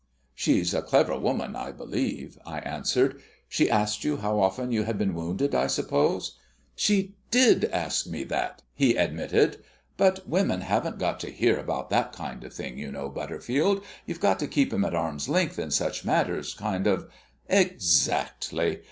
"She's a clever woman, I believe," I answered. "She asked you how often you had been wounded, I suppose?" "She did ask me that," he admitted; "but women haven't got to hear about that kind of thing, you know, Butterfield. You've got to keep 'em at arm's length in such matters kind of " "Exactly.